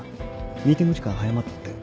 ミーティング時間早まったって。